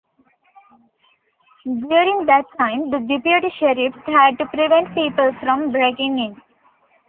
During that time, the deputy sheriffs had to prevent people from breaking in.